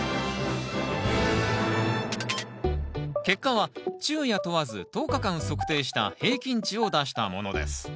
結果は昼夜問わず１０日間測定した平均値を出したものです。